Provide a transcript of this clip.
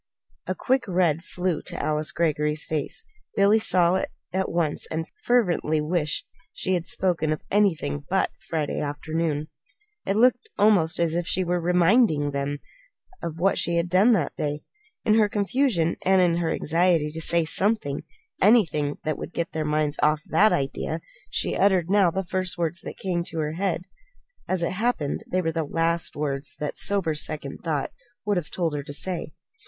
A quick red flew to Alice Greggory's face. Billy saw it at once and fervently wished she had spoken of anything but that Friday afternoon. It looked almost as if she were reminding them of what she had done that day. In her confusion, and in her anxiety to say something anything that would get their minds off that idea she uttered now the first words that came into her head. As it happened, they were the last words that sober second thought would have told her to say.